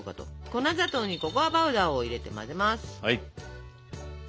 粉砂糖にココアパウダーを入れて混ぜます。